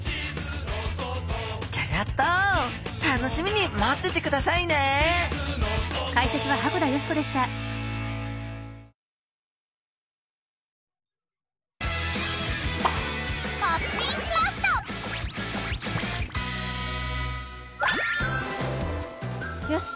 ギョギョッと楽しみに待っててくださいねよし！